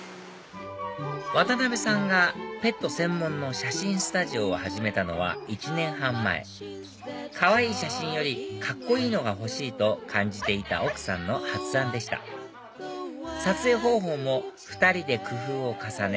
渡さんがペット専門の写真スタジオを始めたのは１年半前かわいい写真よりカッコいいのが欲しいと感じていた奥さんの発案でした撮影方法も２人で工夫を重ね